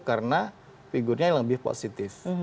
karena figurnya yang lebih positif